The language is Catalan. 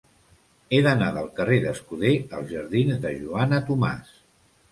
He d'anar del carrer d'Escuder als jardins de Joana Tomàs.